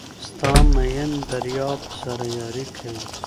ستا ميین درياب سره ياري کوي